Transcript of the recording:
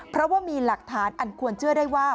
เพราะว่ามีหลักฐานอันควรเชื่อได้ว่า